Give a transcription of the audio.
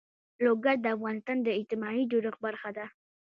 لوگر د افغانستان د اجتماعي جوړښت برخه ده.